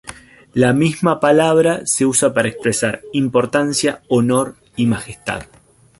La misma palabra se usa para expresar "importancia", "honor" y "majestad".